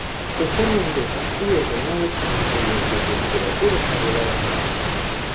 Se forma en vetas hidrotermales en un medio de temperaturas moderadas a bajas.